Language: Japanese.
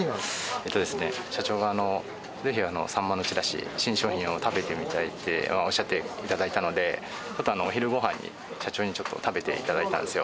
えっとですね、社長がぜひサンマのちらし、新商品を食べてみたいっておっしゃっていただいたので、ちょっとお昼ごはんに社長にちょっと食べていただいたんですよ。